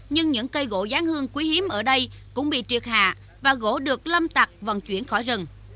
nhưng những cây gỗ giáng hương quý hiếm ở đây cũng bị triệt hạ và gỗ được lâm tặc vận chuyển khỏi rừng